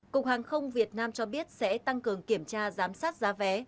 cục hàng không việt nam cho biết sẽ tăng cường kiểm tra giám sát giá vé